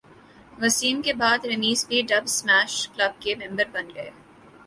وسیم کے بعد رمیز بھی ڈب اسمیش کلب کے ممبر بن گئے